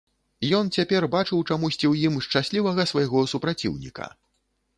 Ён цяпер бачыў чамусьці ў ім шчаслівага свайго супраціўніка.